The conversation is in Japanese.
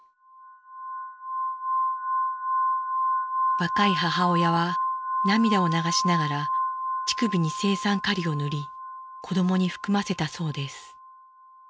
若い母親は涙を流しながら乳首に青酸カリを塗り子どもに含ませたそうです。